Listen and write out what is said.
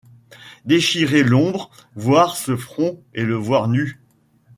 Déchirer l’ombre ! voir ce front, et le voir nu !